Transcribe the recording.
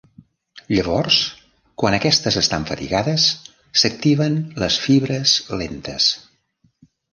Llavors, quan aquestes estan fatigades s'activen les fibres lentes.